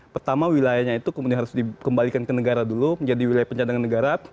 pertama wilayahnya itu kemudian harus dikembalikan ke negara dulu menjadi wilayah pencadangan negara